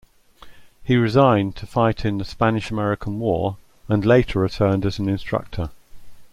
He resigned to fight in the Spanish-American War and later returned as an instructor.